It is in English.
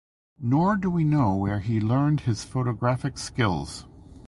Nor do we know where he learned his photographic skills.